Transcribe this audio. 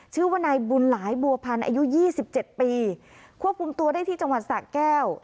ชื่อว่านายบุญหลายบัวพันธ์อายุยี่สิบเจ็ดปีควบคุมตัวได้ที่จังหวัดสะแก้ว